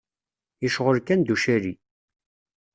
Yecɣel kan d ucali.